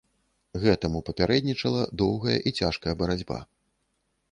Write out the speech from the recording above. Гэтаму папярэднічала доўгая і цяжкая барацьба.